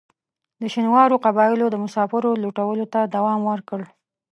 د شینوارو قبایلو د مسافرو لوټلو ته دوام ورکړ.